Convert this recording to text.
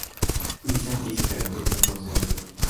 Misaki se caracteriza por ser zurdo.